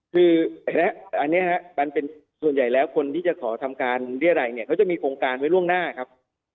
คืออันนี้มันเป็นส่วนใหญ่แล้วคนที่จะขอทำการเรียรัยเนี่ยเขาจะมีโครงการไว้ล่วงหน้าครับ